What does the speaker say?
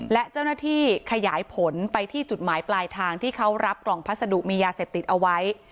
และเจ้าหน้าที่ขยายผลไปที่จุดหมายปลายทางที่เขารับกล่องพัสดุมียาเสพติดเอาไว้